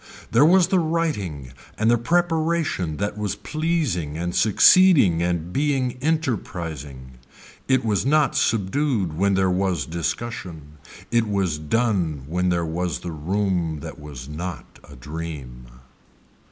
There was the writing and the preparation that was pleasing and succeeding and being enterprising. It was not subdued when there was discussion, it was done where there was the room that was not a dream.